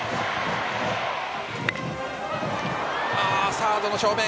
サードの正面。